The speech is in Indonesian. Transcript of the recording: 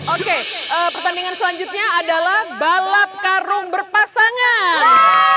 oke pertandingan selanjutnya adalah balap karung berpasangan